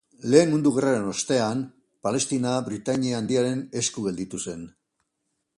Lehen Mundu Gerraren ostean, Palestina Britainia Handiaren esku gelditu zen.